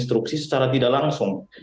instruksi secara tidak langsung